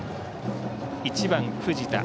１番、藤田。